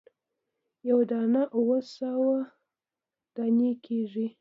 یوه دانه اووه سوه دانې کیږي.